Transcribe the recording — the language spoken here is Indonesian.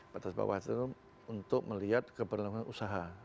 batas bawah itu untuk melihat keberlangsungan usaha